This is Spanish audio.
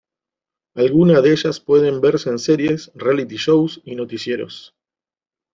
Algunas de ellas pueden verse en series, "reality shows" y noticieros.